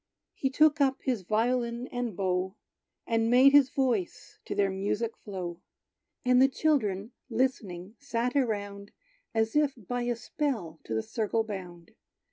He took up his violin and bow, And made his voice to their music flow; And the children, listening sat around As if by a spell to the circle bound.